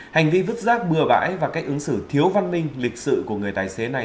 hành vi vứt rác bừa bãi và cách ứng xử thiếu văn minh lịch sự của người tài xế này